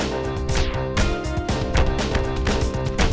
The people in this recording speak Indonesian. keeps me posted tentang kamu guys kalian bey